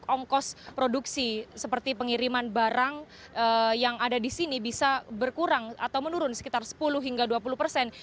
ongkos produksi seperti pengiriman barang yang ada di sini bisa berkurang atau menurun sekitar sepuluh hingga dua puluh persen